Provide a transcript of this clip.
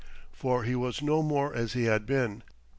For he was no more as he had been.